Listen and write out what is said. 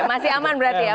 masih aman berarti ya